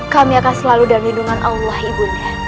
kami akan selalu dalam lindungan allah ibu nda